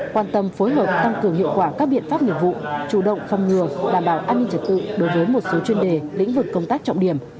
quan tâm phối hợp tăng cường hiệu quả các biện pháp nhiệm vụ chủ động phong ngừa đảm bảo an ninh trật tự đối với một số chuyên đề lĩnh vực công tác trọng điểm